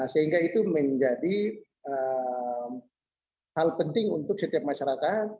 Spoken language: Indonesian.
sehingga itu menjadi hal penting untuk setiap masyarakat